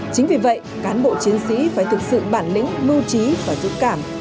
chính vì vậy cán bộ chiến sĩ phải thực sự bản lĩnh mưu trí và dũng cảm